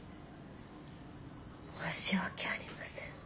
申し訳ありません。